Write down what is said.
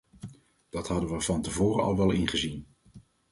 Dat hadden we van tevoren al wel ingezien.